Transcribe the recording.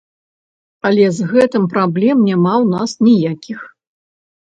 Але з гэтым праблем няма ў нас ніякіх!